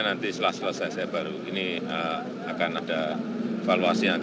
nanti setelah selesai saya baru ini akan ada evaluasi